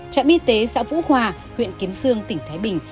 trạm y tế xã vũ hòa huyện kiến sương tỉnh thái bình